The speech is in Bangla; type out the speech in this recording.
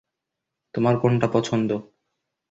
তোমার কোনটা পছন্দ?